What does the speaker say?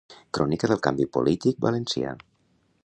Crònica del canvi polític valencià.